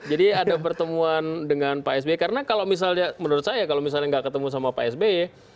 jadi ada pertemuan dengan pak sbe karena kalau misalnya menurut saya kalau misalnya nggak ketemu sama pak sbe